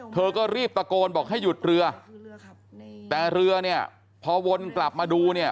เธอก็รีบตะโกนบอกให้หยุดเรือแต่เรือเนี่ยพอวนกลับมาดูเนี่ย